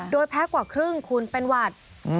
โดยแพ้กว่าครึ่งคุณเป็นหวัด